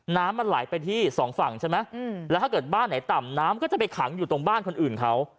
น้ำมันไหลไปที่สองฝั่งใช่ไหมแล้วถ้าเกิดบ้านไหนต่ำน้ำก็จะไปขังอยู่ตรงบ้านคนอื่นเขา